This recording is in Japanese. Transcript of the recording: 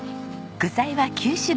具材は９種類。